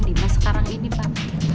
dimas sekarang ini pak